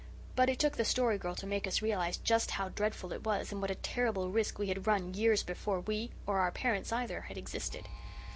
But it took the Story Girl to make us realize just how dreadful it was and what a terrible risk we had run years before we, or our parents either, had existed.